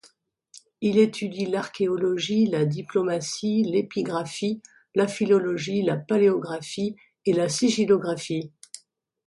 Il étudie l'archéologie, la diplomatique, l'épigraphie, la philologie, la paléographie et la sigillographie.